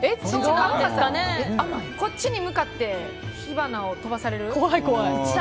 こっちに向かって火花を飛ばされる？